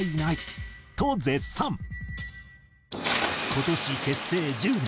今年結成１０年。